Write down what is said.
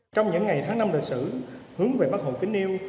trong những ngày tháng năm lịch sử hướng về bắc hồ kính yêu